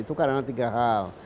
itu karena tiga hal